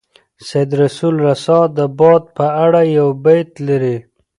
سید رسول رسا د باد په اړه یو بیت لري.